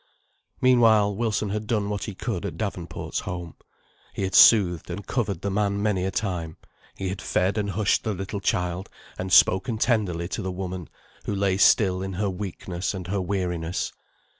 Meanwhile, Wilson had done what he could at Davenport's home. He had soothed, and covered the man many a time; he had fed and hushed the little child, and spoken tenderly to the woman, who lay still in her weakness and her weariness.